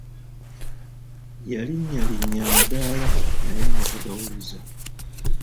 Yalinnyalinya amadaala naye nga tagawuliza.